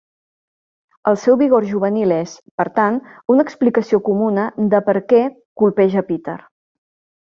El seu vigor juvenil és, per tant, una explicació comuna de per què colpeja a Peter.